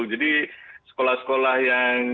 jadi sekolah sekolah yang